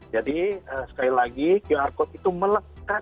jadi sekali lagi qr code itu melekat pada kendaraan